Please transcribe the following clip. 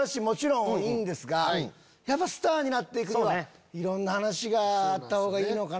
もちろんいいんですがやっぱスターになって行くにはいろんな話があったほうがいい。